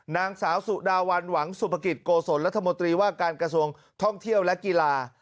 นางสาวสุดาวันหวังสุภกิจโกศลรัฐมนตรีว่าการกระทรวงท่องเที่ยวและกีฬา